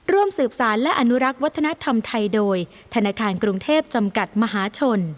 ร่วมสืบสารและอนุรักษ์วัฒนธรรมไทยโดยธนาคารกรุงเทพจำกัดมหาชน